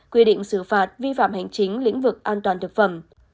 quy định xử phạt vi phạm hành chính lĩnh vực an toàn thực phẩm